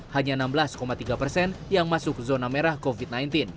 hanya enam belas tiga persen yang masuk zona merah covid sembilan belas